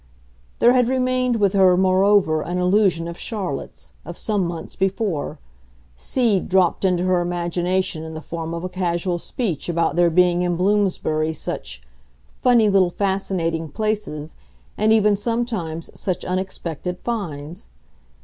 There had remained with her moreover an allusion of Charlotte's, of some months before seed dropped into her imagination in the form of a casual speech about there being in Bloomsbury such "funny little fascinating" places and even sometimes such unexpected finds.